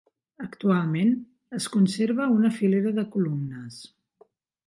Actualment es conserva una filera de columnes.